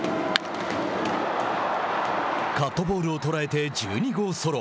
カットボールを捉えて１２号ソロ。